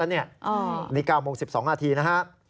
นี่๙โมง๑๒นาทีนะฮะ